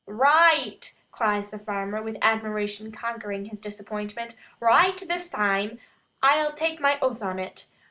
"Raight," cries the farmer, with admiration conquering his disappointment; "raight this taime, ai'll tak my oath on it.